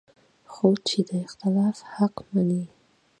خو چې د اختلاف حق مني